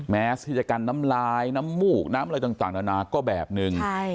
แมสที่จะกันน้ำลายน้ำมูกน้ำอะไรต่างนานาก็แบบนึง